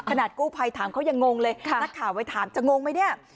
ขนาดกู้ภัยถามเขายังงงเลยนักข่าวไปถามจะงงไหมเนี่ย